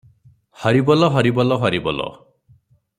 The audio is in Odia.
ହରିବୋଲ ହରିବୋଲ ହରିବୋଲ ।